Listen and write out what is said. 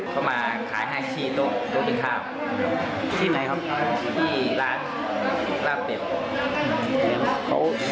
เขามาขายให้ชี้โต๊ะเป็นข้าว